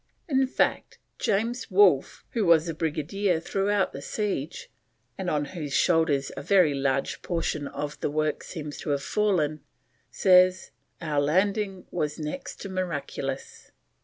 In fact, James Wolfe, who was a Brigadier throughout the siege, and on whose shoulders a very large portion of the work seems to have fallen, says: "Our landing was next to miraculous."